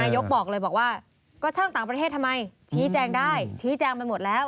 ยกบอกเลยบอกว่าก็ช่างต่างประเทศทำไมชี้แจงได้ชี้แจงไปหมดแล้ว